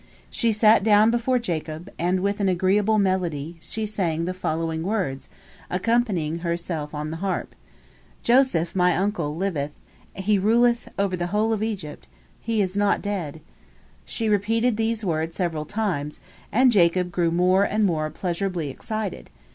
She sat down before Jacob, and, with an agreeable melody, she sang the following words, accompanying herself upon the harp: "Joseph, my uncle, liveth, he ruleth over the whole of Egypt, he is not dead!" She repeated these words several times, and Jacob grew more and more pleasurably excited.